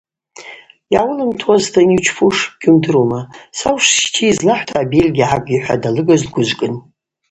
Йгӏауылымтуазтын, йучпуш уа йгьуымдырума, са ушсщтийыз лахӏвта абельгьи гӏаг, – йхӏватӏ алыгажв дгвыжвкӏын.